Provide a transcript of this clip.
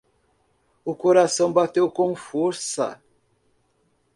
O coração bateu com força.